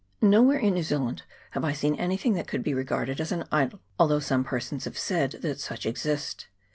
Nowhere in New Zealand have I seen anything that could be regarded as an idol, although some persons have said that such exist.